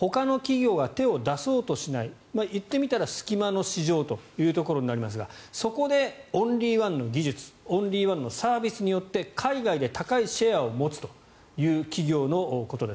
ほかの企業が手を出そうとしない言ってみたら隙間の産業ですがそこでオンリーワンの技術オンリーワンのサービスによって海外で高いシェアを持つ企業のことです。